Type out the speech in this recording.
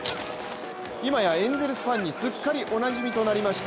今やエンゼルスファンにすっかりおなじみとなりました